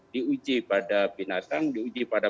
diuji pada binatang diuji pada